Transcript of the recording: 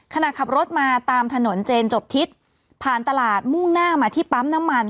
ขณะขับรถมาตามถนนเจนจบทิศผ่านตลาดมุ่งหน้ามาที่ปั๊มน้ำมัน